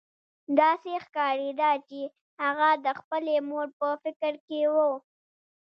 داسې ښکارېده چې هغه د خپلې مور په فکر کې و